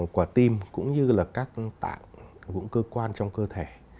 cơ tim cũng như là các tạng cũng cơ quan trong cơ thể